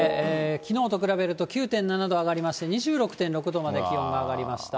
きのうと比べると９．７度上がりまして、２６．６度まで気温が上がりました。